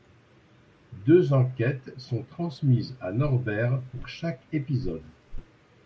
Deux enquêtes sont transmises à Norbert pour chaque épisode.